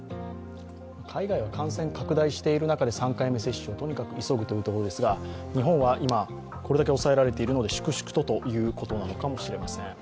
海外は感染拡大している中で３回目接種をとにかく急ぐというところですが、日本はこれだけ抑えられているので粛々とということなのかもしれません。